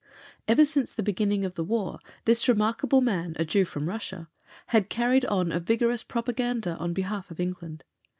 Ever since the beginning of the War this remarkable man, a Jew from Russia, had carried on a vigorous propaganda on behalf of England.